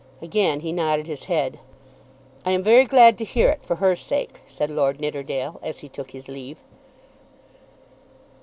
Again he nodded his head. "I am very glad to hear it for her sake," said Lord Nidderdale as he took his leave.